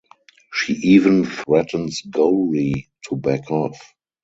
She even threatens Gowri to back off.